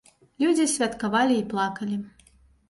Людзі святкавалі і плакалі.